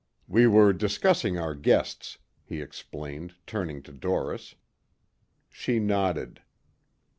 We were discussing our guests," he explained turning to Doris. She nodded.